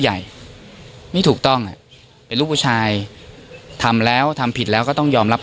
ใหญ่ไม่ถูกต้องอ่ะเป็นลูกผู้ชายทำแล้วทำผิดแล้วก็ต้องยอมรับ